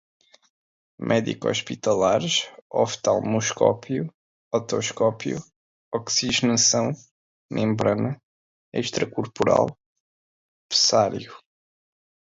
médico-hospitalares, oftalmoscópio, otoscópio, oxigenação, membrana, extracorporal, pessário